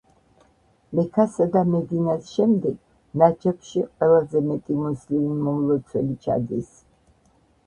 მექასა და მედინას შემდეგ ნაჯაფში ყველაზე მეტი მუსლიმი მომლოცველი ჩადის.